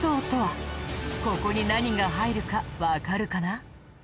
ここに何が入るかわかるかな？